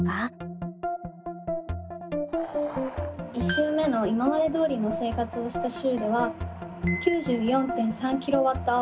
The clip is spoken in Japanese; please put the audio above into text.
１週目の今までどおりの生活をした週では９４．３ｋＷｈ。